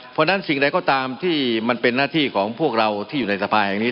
เพราะฉะนั้นสิ่งใดก็ตามที่มันเป็นหน้าที่ของพวกเราที่อยู่ในสภาแห่งนี้